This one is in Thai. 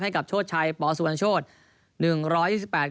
ให้กับชดชายปสุนัชชน์